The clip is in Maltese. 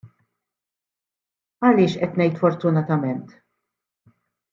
Għaliex qed ngħid " fortunatament "?